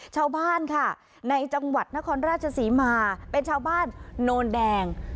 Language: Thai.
ชาวบ้านค่ะในจังหวัดนครราชศรีมาเป็นชาวบ้านโนนแดง